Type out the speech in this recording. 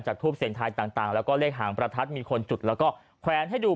ทูปเสียงทายต่างแล้วก็เลขหางประทัดมีคนจุดแล้วก็แขวนให้ดู